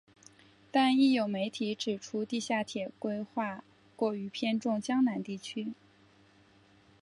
但亦有媒体指出地下铁规划过于偏重江南地区。